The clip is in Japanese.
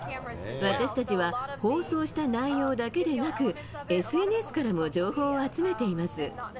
私たちは放送した内容だけでなく、ＳＮＳからも情報を集めています。